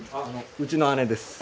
うちの姉です。